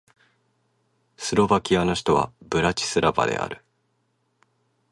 スロバキアの首都はブラチスラバである